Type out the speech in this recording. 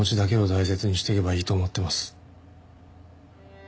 大切にしていけばいいと思ってます。